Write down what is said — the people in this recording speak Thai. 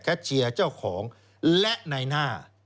แค่เชียร์เจ้าของและนายน่า